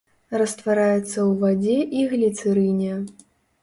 Раствараецца ў вадзе і гліцэрыне.